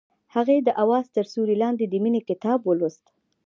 هغې د اواز تر سیوري لاندې د مینې کتاب ولوست.